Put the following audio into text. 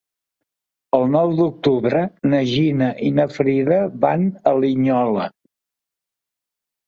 El nou d'octubre na Gina i na Frida van a Linyola.